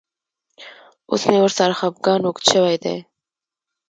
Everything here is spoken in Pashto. اوس مې ورسره خپګان اوږد شوی دی.